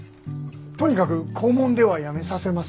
とにかく校門ではやめさせます。